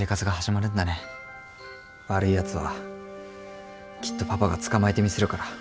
悪いやつはきっとパパが捕まえてみせるから。